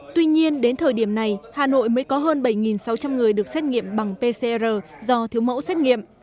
tuy nhiên đến thời điểm này hà nội mới có hơn bảy sáu trăm linh người được xét nghiệm bằng pcr do thiếu mẫu xét nghiệm